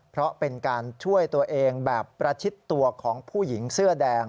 เพราะเป็นการช่วยตัวเองแบบประชิดตัวของผู้หญิงเสื้อแดง